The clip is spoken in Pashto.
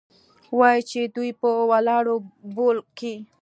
وايي چې دوى په ولاړو بول كيې؟